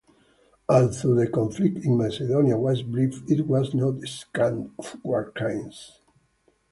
Although the conflict in Macedonia was brief, it was not scant of war crimes.